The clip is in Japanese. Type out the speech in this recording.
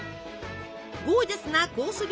ゴージャスなコース